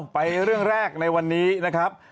ไปเรื่องแรกในวันนี้นะครับ